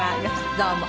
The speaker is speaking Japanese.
どうも。